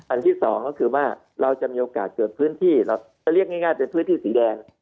ที่สองก็คือว่าเราจะมีโอกาสเกิดพื้นที่เราจะเรียกง่ายเป็นพื้นที่สีแดง